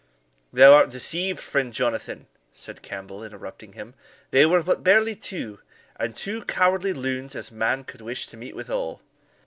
"Thou art deceived, friend Jonathan," said Campbell, interrupting him; "they were but barely two, and two cowardly loons as man could wish to meet withal."